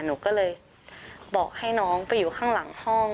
หนูก็เลยบอกให้น้องไปอยู่ข้างหลังห้อง